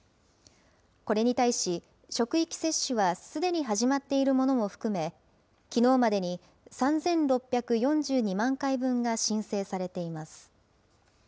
これに対し、職域接種はすでに始まっているものも含め、きのうまでに３６４２万回分が申請されています。